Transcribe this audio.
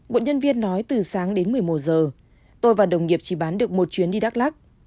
một nhân viên nói từ sáng đến một mươi một giờ tôi và đồng nghiệp chỉ bán được một chuyến đi đắk lắc